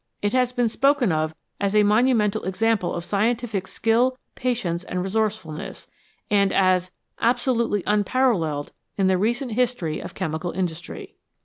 It has been spoken of as "a monumental example of scientific skill, patience, and resourcefulness, 1 ' 1 and as " absolutely unparalleled in the recent history of chemical industry."